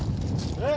えっ！